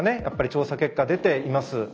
やっぱり調査結果出ています。